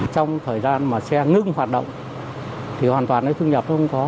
trong thời gian mà xe ngưng hoạt động thì hoàn toàn cái thương nhập nó không có